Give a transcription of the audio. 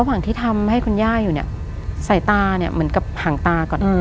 ระหว่างที่ทำให้คุณย่าอยู่เนี่ยสายตาเนี่ยเหมือนกับห่างตาก่อน